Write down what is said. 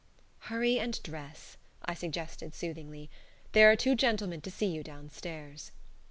"Hurry and dress," I suggested, soothingly; "there are two gentlemen to see you downstairs."